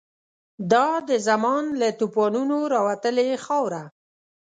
دا د زمان له توپانونو راوتلې خاوره